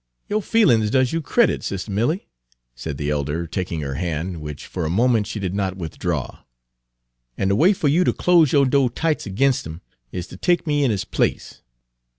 "Yo' feelin's does you credit, Sis' Milly," said the elder, taking her hand, which for a moment she did not withdraw. "An' de way fer you ter close yo' do' tightes' ag'inst 'im is ter take me in his place.